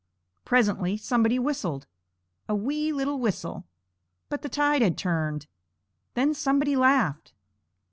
Presently somebody whistled a wee little whistle; but the tide had turned. Then somebody laughed.